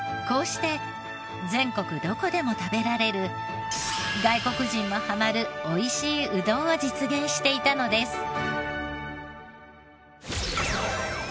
こうして全国どこでも食べられる外国人もハマる美味しいうどんを実現していたのです。